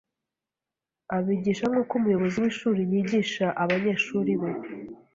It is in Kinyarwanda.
Abigisha nk’uko umuyobozi w’ishuri yigisha abanyeshuri be,